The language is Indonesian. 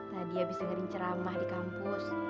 tadi habis dengerin ceramah di kampus